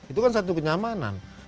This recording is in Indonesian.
itu kan satu kenyamanan